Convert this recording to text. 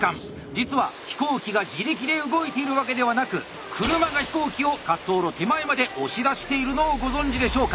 実は飛行機が自力で動いているわけではなく車が飛行機を滑走路手前まで押し出しているのをご存じでしょうか。